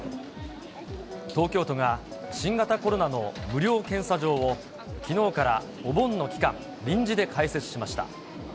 東京都が新型コロナの無料検査場を、きのうからお盆の期間、臨時で開設しました。